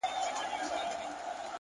عاجزي د درنو انسانانو ځانګړنه ده